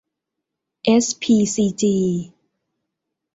เอสพีซีจี